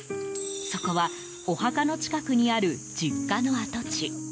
そこはお墓の近くにある実家の跡地。